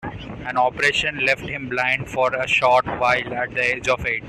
An operation left him blind for a short while at the age of eight.